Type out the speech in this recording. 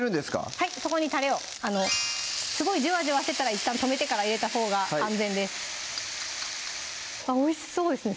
はいそこにたれをすごいジュワジュワしてたらいったん止めてから入れたほうが安全ですおいしそうですね